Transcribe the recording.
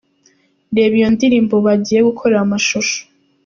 Reba iyo ndirimbo bagiye gukorera amashusho